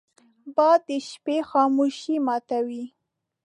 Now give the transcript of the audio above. باد د شپې خاموشي ماتوي